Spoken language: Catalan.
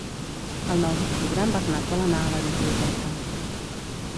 El nou d'octubre en Bernat vol anar a la biblioteca.